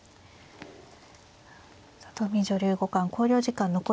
里見女流五冠考慮時間残り１分です。